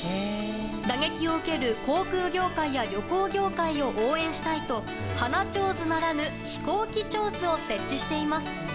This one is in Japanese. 打撃を受ける航空業界や旅行業界を応援したいと花手水ならぬ飛行機手水を設置しています。